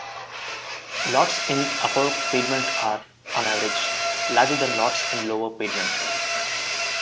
Lots in upper Piedmont are, on average, larger than lots in lower Piedmont.